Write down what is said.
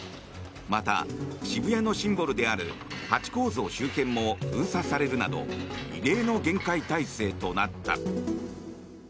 また、渋谷のシンボルであるハチ公像周辺も封鎖されるなど異例の厳戒態勢となった。